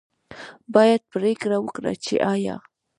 باید پرېکړه وکړي چې آیا